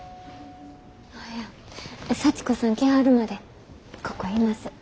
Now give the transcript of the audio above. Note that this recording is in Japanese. ああいや佐知子さん来はるまでここいます。